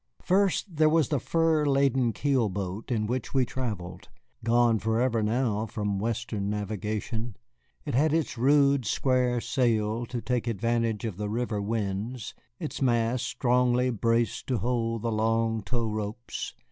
First, there was the fur laden keel boat in which we travelled, gone forever now from Western navigation. It had its rude square sail to take advantage of the river winds, its mast strongly braced to hold the long tow ropes.